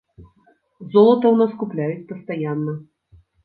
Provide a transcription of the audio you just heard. Золата ў нас купляюць пастаянна.